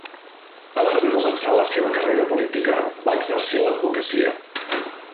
Abans de començar la seva carrera política, va exercir l'advocacia.